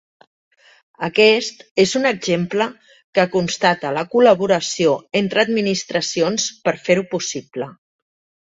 Aquest és un exemple que constata la col·laboració entre administracions per fer-ho possible.